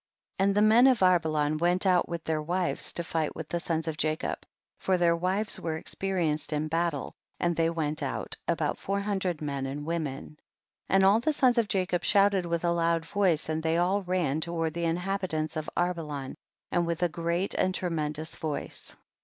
5. And the men of Arbelan went out with their wives to fight with the sons of Jacob, for their wives were experienced in battle, and they went out, about four hundred men and women. 6. And all the sons of Jacob shout ed with a loud voice, and they all ran toward the inhabitants of Arbelan, and with a great and tremendous voice.